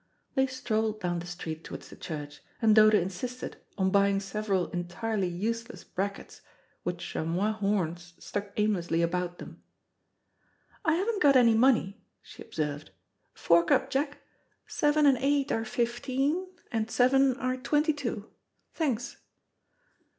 They strolled down the street towards the church, and Dodo insisted on buying several entirely useless brackets, with chamois horns stuck aimlessly about them. "I haven't got any money," she observed. "Fork up, Jack. Seven and eight are fifteen and seven are twenty two. Thanks."